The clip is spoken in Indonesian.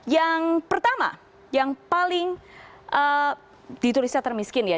yang pertama yang paling ditulisnya termiskin ya